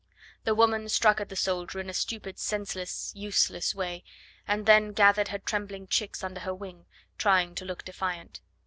The woman struck at the soldier in a stupid, senseless, useless way, and then gathered her trembling chicks under her wing, trying to look defiant.